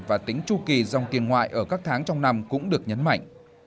và tính tru kỳ dòng tiền ngoại ở các tháng trong năm cũng được nhấn mạnh